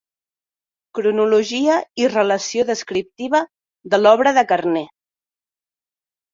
«Cronologia i relació descriptiva de l'obra de Carner».